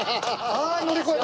ああ乗り越えた！